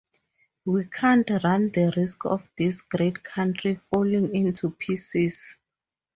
We can't run the risk of this great country falling into pieces.